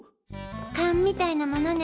カンみたいなものね。